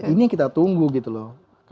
ini yang kita tunggu gitu loh